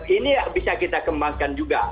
ini bisa kita kembangkan juga